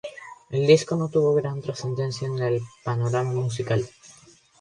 El disco no tuvo gran transcendencia en el panorama musical.